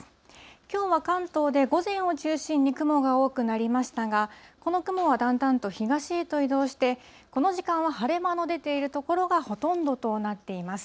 きょうは関東で午前を中心に雲が多くなりましたが、この雲はだんだんと東へと移動して、この時間は晴れ間の出ている所がほとんどとなっています。